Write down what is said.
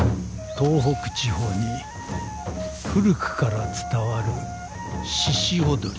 東北地方に古くから伝わるしし踊り。